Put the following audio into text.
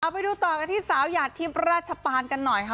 ไปดูต่อกันที่สาวหยาดทิพย์ราชปานกันหน่อยค่ะ